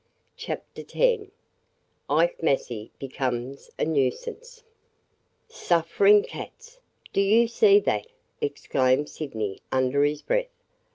CHAPTER X IKE MASSEY BECOMES A NUISANCE "SUFFERING cats! Do you see that?" exclaimed Sydney under his breath.